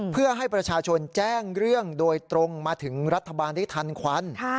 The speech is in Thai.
เพื่อให้ประชาชนแจ้งเรื่องโดยตรงมาถึงรัฐบาลได้ทันควัน